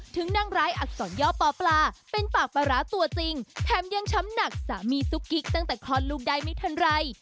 นางร้ายอักษรย่อปอปลาเป็นปากปลาร้าตัวจริงแถมยังช้ำหนักสามีซุกกิ๊กตั้งแต่คลอดลูกได้ไม่ทันไร